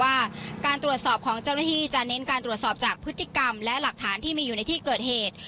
ว่าการตรวจสอบของเจ้าหน้าที่จะเน้นการตรวจสอบจากพฤติกรรมและหลักฐานที่มีอยู่ในที่เกิดเหตุ